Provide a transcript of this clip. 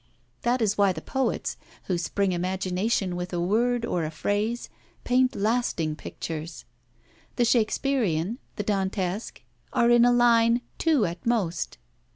That is why the poets, who spring imagination with a word or a phrase, paint lasting pictures. The Shakespearian, the Dantesque, are in a line, two at most.